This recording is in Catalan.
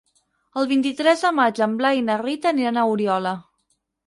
El vint-i-tres de maig en Blai i na Rita aniran a Oriola.